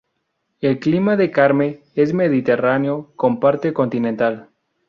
El clima de Carme es mediterráneo con parte continental.